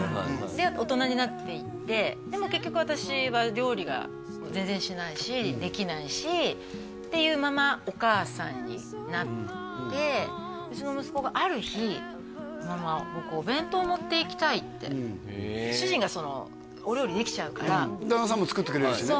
で大人になっていってでも結局私は料理が全然しないしできないしっていうままお母さんになってうちの息子がある日へえ主人がお料理できちゃうからうん旦那さんも作ってくれるしね